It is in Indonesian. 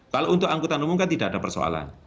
kalau untuk angkutan umum kan tidak ada persoalan